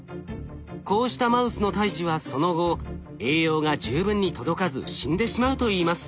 こうしたマウスの胎児はその後栄養が十分に届かず死んでしまうといいます。